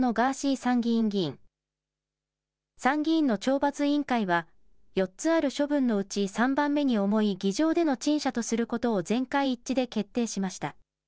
参議院の懲罰委員会は、４つある処分のうち、３番目に重い、議場での陳謝とすることを全会一致で決定しました。